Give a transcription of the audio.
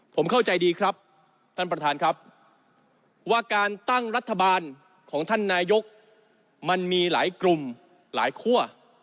ผมเข้าใจดีครับท่านประธานครับว่าการตั้งรัฐบาลของท่านนายกมันมีหลายกลุ่มหลายคั่ว